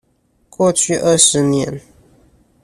過去二十年